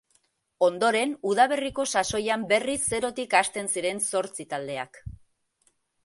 Ondoren udaberriko sasoian berriz zerotik hasten ziren zortzi taldeak.